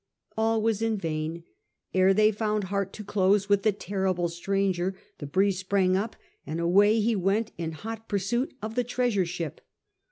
All was in vain. Ere they found heart to close with the terrible stranger the breeze sprang up and away he went in hot pursuit of the treasure ship.